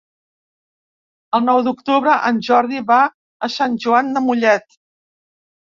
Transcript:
El nou d'octubre en Jordi va a Sant Joan de Mollet.